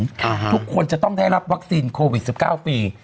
ทุกคนจะต้องได้รับวัคซีนโควิดสิบเก้าฟรี